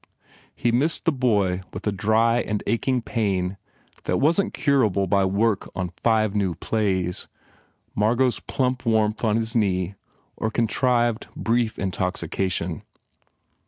He mined the boy with a dry aad aching pain that wasn t curable by work on five new plays. M argot s plump waiinlh on his knee or contrived, brief intoxication.